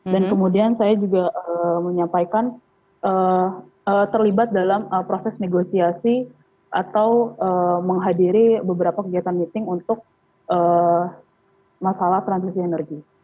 dan kemudian saya juga menyampaikan terlibat dalam proses negosiasi atau menghadiri beberapa kegiatan meeting untuk masalah transisi energi